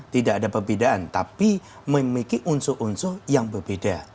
tidak ada perbedaan tapi memiliki unsur unsur yang berbeda